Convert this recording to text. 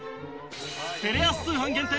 テレ朝通販限定